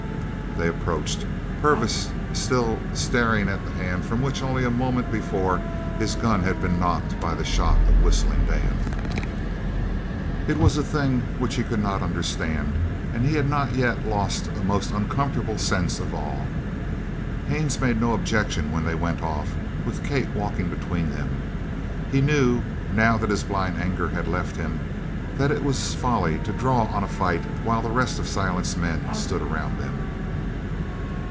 They approached, Purvis still staring at the hand from which only a moment before his gun had been knocked by the shot of Whistling Dan. It was a thing which he could not understand he had not yet lost a most uncomfortable sense of awe. Haines made no objection when they went off, with Kate walking between them. He knew, now that his blind anger had left him, that it was folly to draw on a fight while the rest of Silent's men stood around them.